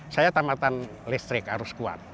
saya tamatan listrik harus kuat